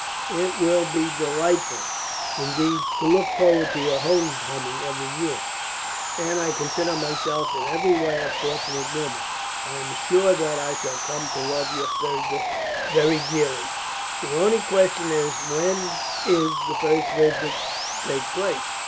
"It will be delightful, indeed, to look forward to your homecoming every year; and I consider myself in every way a fortunate woman. I am sure that I shall come to love your Thirza very dearly. "The only question is, when is the first visit to take place?